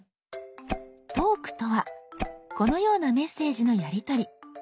「トーク」とはこのようなメッセージのやりとり。